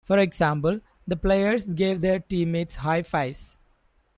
For example: "The players "gave" their teammates high fives.